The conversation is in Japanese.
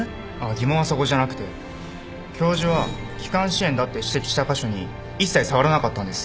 疑問はそこじゃなくて教授は気管支炎だって指摘した箇所に一切触らなかったんです。